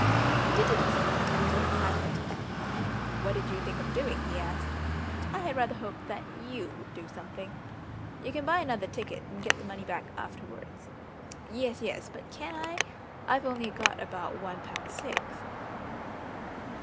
He didn't seem intensely excited. "What did you think of doing?" he asked. "I had rather hoped that you would do something." "You can buy another ticket, and get the money back afterwards." "Yes, yes; but can I? I've only got about one pound six."